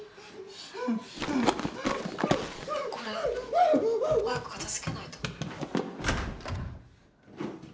「これ早く片付けないと」